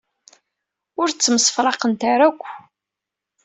Ur ttemsefraqent ara akk.